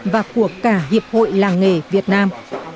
và của cả hiệp hội làng nghề việt nam